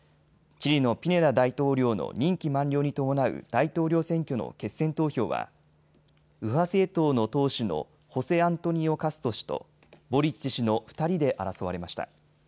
チリのピニェラ大統領の任期満了に伴う大統領選挙の決選投票は右派政党の党首のホセアントニオ・カスト氏とボリッチ氏の２人で争われました。